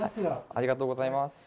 ありがとうございます。